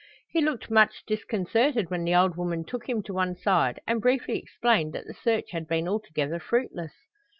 He looked much disconcerted when the old woman took him on one side and briefly explained that the search had been altogether fruitless.